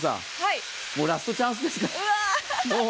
もうラストチャンスですから。